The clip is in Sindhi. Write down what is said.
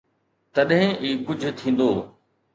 تڏهن ئي ڪجهه ٿيندو.